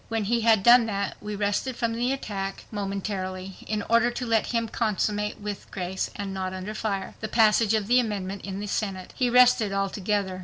When he had done that we rested from the attack momentarily, in order to let him consummate with grace, and not under fire, the passage of the amendment in the Senate. He rested altogether.